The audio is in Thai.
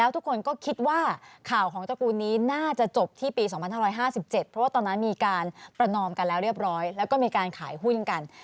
ทุกคนก็คิดว่าข่าวของตระกูลนี้น่าจะจบที่ปี๒๕๕๗เพราะว่าตอนนั้นมีการประนอมกันแล้วเรียบร้อยแล้วก็มีการขายหุ้นกัน